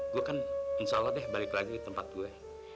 gue kan insya allah deh balik lagi ke tempat gue